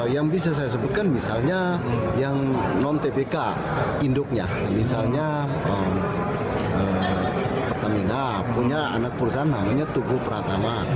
yang bisa saya sebutkan misalnya yang non tbk induknya misalnya pertamina punya anak perusahaan namanya tugu pratama